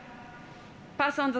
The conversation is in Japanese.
パーソンズ